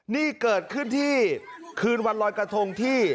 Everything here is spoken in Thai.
นี่เกิดขึ้นที่คืนวันรอยกระทงที่